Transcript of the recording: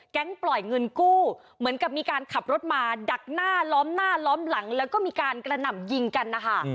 ปล่อยเงินกู้เหมือนกับมีการขับรถมาดักหน้าล้อมหน้าล้อมหลังแล้วก็มีการกระหน่ำยิงกันนะคะ